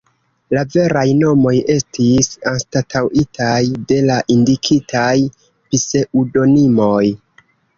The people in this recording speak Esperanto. La veraj nomoj estis anstataŭitaj de la indikitaj pseŭdonimoj.